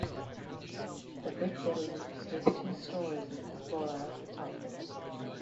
The brick building stood two stories with a cupola at the top.